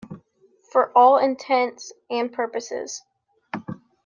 For all intents and purposes.